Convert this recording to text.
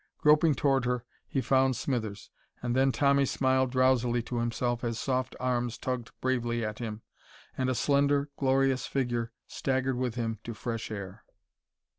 Groping toward her, he found Smithers. And then Tommy smiled drowsily to himself as soft arms tugged bravely at him, and a slender, glorious figure staggered with him to fresh air.